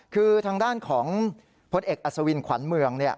คือทางด้านของพลเอกอัศวินขวัญเมือง